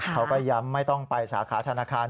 เขาก็ย้ำไม่ต้องไปสาขาธนาคาร